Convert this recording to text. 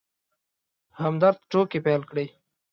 همدرد ټوکې پيل کړې.